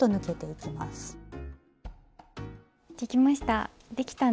できました。